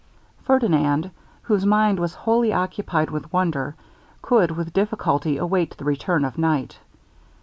Ferdinand, whose mind was wholly occupied with wonder, could with difficulty await the return of night.